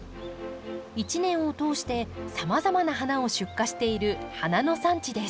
一年を通してさまざまな花を出荷している花の産地です。